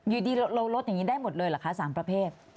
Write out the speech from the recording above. อยู่ดีเราลดอย่างนี้ได้หมดเลยเหรอคะ๓ประเภท